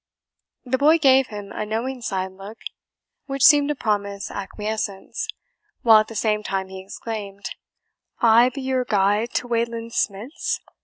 The boy gave him a knowing side look, which seemed to promise acquiescence, while at the same time he exclaimed, "I be your guide to Wayland Smith's!